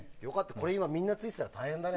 これ今みんなついていたら大変だね。